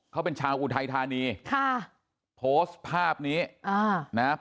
เขาเป็นชาวอุทัยธานีค่ะโพสต์ภาพนี้อ่านะฮะ